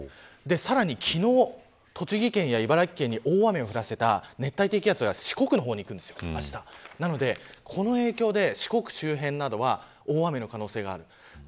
さらに昨日栃木県や茨城県に大雨を降らせた熱帯低気圧が四国の方に行くんです、あしたなのでこの影響で四国周辺などは大雨の可能性がある。